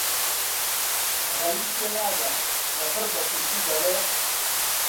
غەنی تێناگا، لەپڕ بە تورکی دەڵێ: